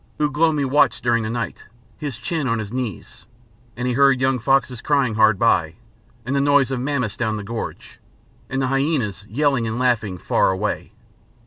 Ugh lomi watched during the night, his chin on his knees; and he heard young foxes crying hard by, and the noise of mammoths down the gorge, and the hyænas yelling and laughing far away.